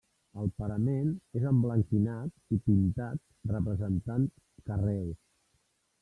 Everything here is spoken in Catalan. El parament és emblanquinat i pintat representant carreus.